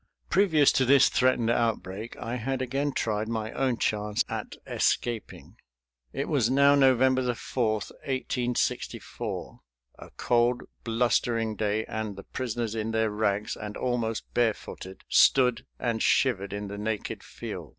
Previous to this threatened outbreak I had again tried my own chance at escaping. It was now November 4, 1864, a cold blustering day, and the prisoners in their rags and almost barefooted stood and shivered in the naked field.